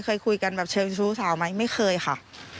เคยคุยกันแบบเชิงชู้สาวไหมไม่เคยค่ะ